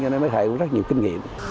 cho nên mấy thầy cũng rất nhiều kinh nghiệm